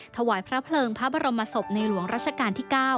ถวายพระเพลิงพระบรมศพในหลวงรัชกาลที่๙